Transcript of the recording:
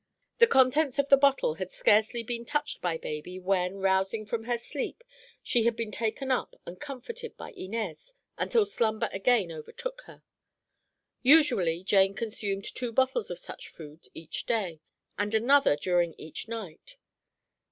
The contents of the bottle had scarcely been touched by baby when, rousing from her sleep, she had been taken up and comforted by Inez until slumber again overtook her. Usually Jane consumed two bottles of such food each day, and another during each night.